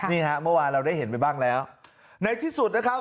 นี่ฮะเมื่อวานเราได้เห็นไปบ้างแล้วในที่สุดนะครับ